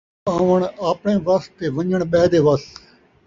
آوݨ اپݨے وس تے ون٘ڄݨ ٻے دے وس